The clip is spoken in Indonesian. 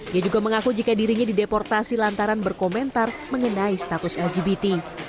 dia juga mengaku jika dirinya dideportasi lantaran berkomentar mengenai status lgbt